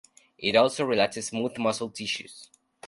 It also relaxes smooth muscle tissues.